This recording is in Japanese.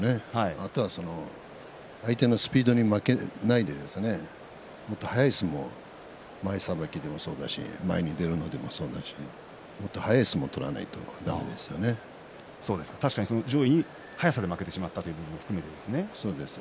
あとは相手のスピードに負けないでもっと速い相撲を、前さばきでもそうですし、前に出るのでも、そうだしもっと速い相撲を取らないと確かに上位に速さで負けてしまったということですね。